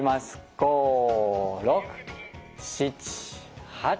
５６７８。